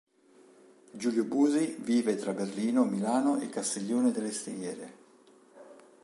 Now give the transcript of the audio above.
Giulio Busi vive tra Berlino, Milano e Castiglione delle Stiviere.